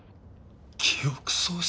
記憶喪失？